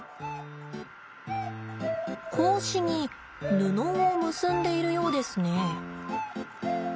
格子に布を結んでいるようですね。